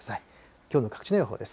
きょうの各地の予報です。